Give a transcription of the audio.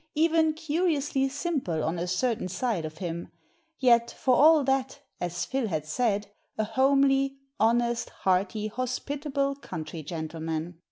Even curiously simple on a certain side of him ; yet, for all that, as Phil had said, a homely, honest, hearty, hospitable country gentleman.